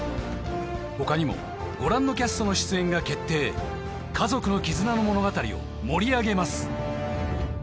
他にもご覧のキャストの出演が決定家族の絆の物語を盛り上げます